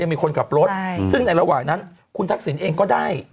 มีคนขับรถซึ่งในระหว่างนั้นคุณทักษิณเองก็ได้